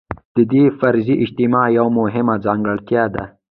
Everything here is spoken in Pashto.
د دې فرضي اجتماع یوه مهمه ځانګړتیا ده.